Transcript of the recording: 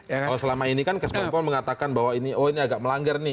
kalau selama ini kan kespon pom mengatakan bahwa ini oh ini agak melanggar nih